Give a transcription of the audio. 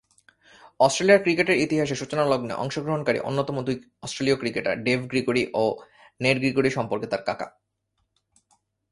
অস্ট্রেলিয়ার ক্রিকেটের ইতিহাসের সূচনালগ্নে অংশগ্রহণকারী অন্যতম দুই অস্ট্রেলীয় ক্রিকেটার ডেভ গ্রিগরি ও নেড গ্রিগরি সম্পর্কে তার কাকা।